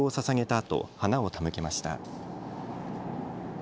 あと花を手向けました。